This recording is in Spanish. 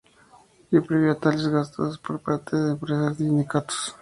Y prohibía tales gastos por parte de empresas y sindicatos.